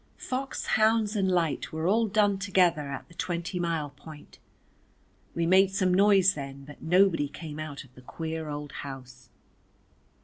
Fox, hounds and light were all done together at the of a twenty mile point. We made some noise then, but nobody came out of the queer old house.